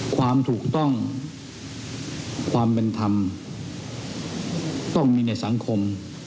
ความถูกต้องความเป็นธรรมต้องมีในสังคม